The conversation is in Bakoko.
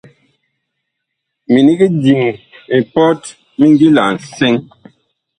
Minig diŋ mipɔt mi ngila nsɛŋ.